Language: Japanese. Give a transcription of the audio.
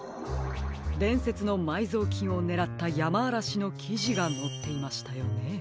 でんせつのまいぞうきんをねらったやまあらしのきじがのっていましたよね。